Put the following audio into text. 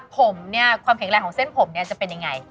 ผมเนี่ยความแข็งแรงของเส้นผมเนี่ยจะเป็นยังไง